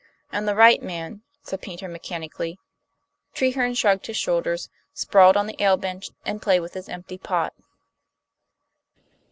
"And the right man " said Paynter mechanically. Treherne shrugged his shoulders, sprawling on the ale bench, and played with his empty pot.